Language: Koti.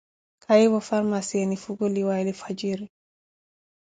kayiivo farmaacia enifukuliwaaye lifwajiri.